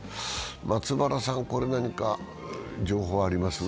松原さん、これ何か情報あります？